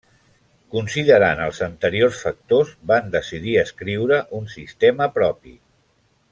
Considerant els anteriors factors, van decidir escriure un sistema propi.